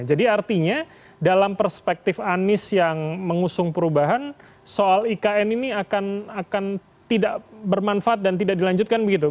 jadi artinya dalam perspektif anies yang mengusung perubahan soal ikn ini akan tidak bermanfaat dan tidak dilanjutkan begitu